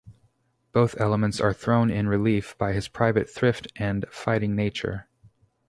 Both elements are thrown in relief by his private thrift and fighting nature.